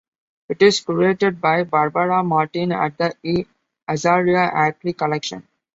It is curated by Barbara Martin at the E. Azalia Hackley Collection.